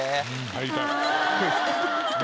入りたい。